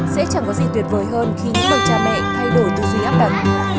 sẽ chẳng có gì tuyệt vời hơn khi những bậc cha mẹ thay đổi tư duy áp đặt